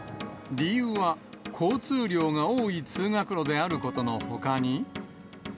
理由は交通量が多い通学路であることのほかに。